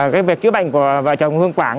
cái việc chữa bệnh của vợ chồng hương quảng